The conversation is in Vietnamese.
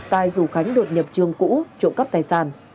tài rủ khánh đột nhập trường cũ trộm cắp tài sản